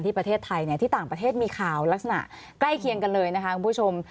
ประเทศไทยที่ต่างประเทศมีข่าวลักษณะใกล้เคียงกันเลยนะคะคุณผู้ชม